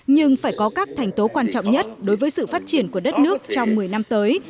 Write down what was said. nhưng phải có các thành tố quan trọng nhất đối với sự phát triển của đất nước trong một mươi năm tới